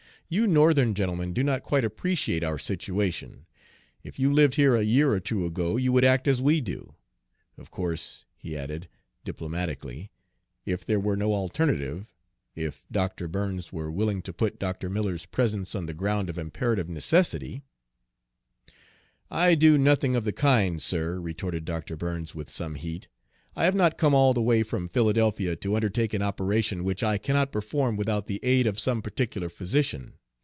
You Northern gentlemen do not quite appreciate our situation; if you lived here a year or two you would act as we do. Of course," he added, diplomatically, "if there were no alternative if Dr. Burns were willing to put Dr. Miller's presence on the ground of imperative necessity" "I do nothing of the kind, sir," retorted Dr. Burns with some heat. "I have not come all the way from Philadelphia to undertake an operation which I cannot perform without the aid of some particular physician.